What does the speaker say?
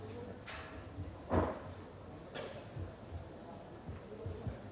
tapi si sawahfully